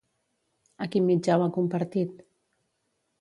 A quin mitjà ho ha compartit?